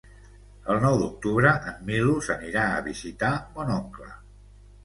El nou d'octubre en Milos anirà a visitar mon oncle.